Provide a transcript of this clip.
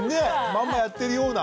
まんまやってるような。